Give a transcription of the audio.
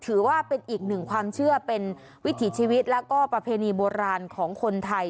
ถือว่าเป็นอีกหนึ่งความเชื่อเป็นวิถีชีวิตแล้วก็ประเพณีโบราณของคนไทย